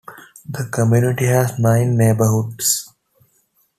The community has nine neighbourhoods.